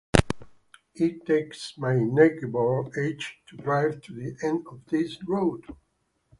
It takes my neighbor ages to drive to the end of this road.